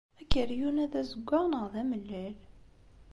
Akeryun-a d azewwaɣ neɣ d amellal?